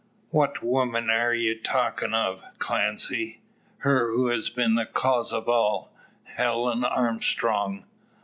"What woman air ye talkin' o', Clancy?" "Her who has been the cause of all Helen Armstrong."